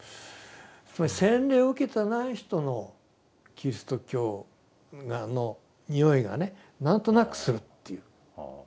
つまり洗礼を受けてない人のキリスト教のにおいがね何となくするって言う。